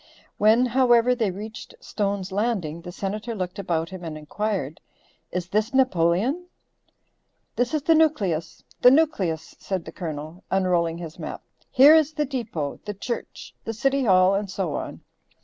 When, however, they reached Stone's Landing the Senator looked about him and inquired, "Is this Napoleon?" "This is the nucleus, the nucleus," said the Colonel, unrolling his map. "Here is the deepo, the church, the City Hall and so on."